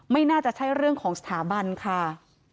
ไม่น่าจะใช่เรื่องของสถาบันค่ะ